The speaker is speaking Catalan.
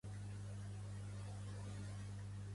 Ser un pet aviciat.